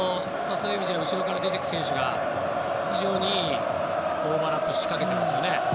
そういう意味で後ろから出て行く選手が非常にいいオーバーラップを仕掛けていますよね。